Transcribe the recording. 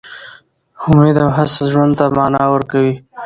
امید او هڅه ژوند ته مانا ورکوي.